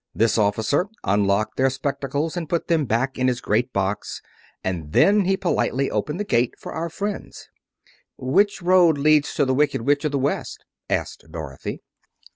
This officer unlocked their spectacles to put them back in his great box, and then he politely opened the gate for our friends. "Which road leads to the Wicked Witch of the West?" asked Dorothy.